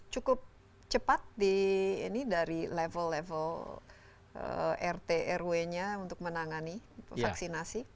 cukup cepat dari level level rt rw nya untuk menangani vaksinasi